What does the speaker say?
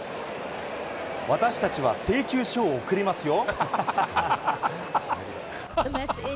私たちは請求書を送りますよ。